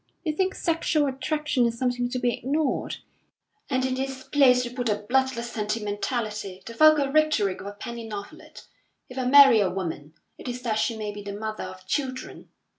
You think sexual attraction is something to be ignored, and in its place you put a bloodless sentimentality the vulgar rhetoric of a penny novelette. If I marry a woman, it is that she may be the mother of children.